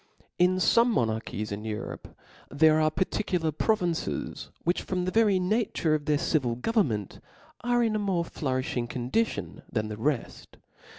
In Ibme monarchies in Europe, there are f par ticular provinces, which from the very nature of their civil government are in a more flourifhing condition than the reft.